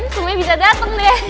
semuanya bisa dateng deh